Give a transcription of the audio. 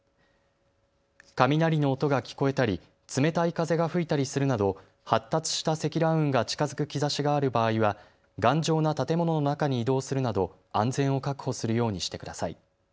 雷の音が聞こえたり、冷たい風が吹いたりするなど発達した積乱雲が近づく兆しがある場合は頑丈な建物の中に移動するなど安全を確保するようにしてください。